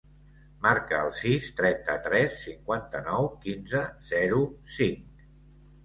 Marca el sis, trenta-tres, cinquanta-nou, quinze, zero, cinc.